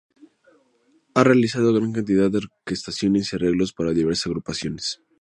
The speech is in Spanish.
Ha realizado gran cantidad de orquestaciones y arreglos para diversas agrupaciones.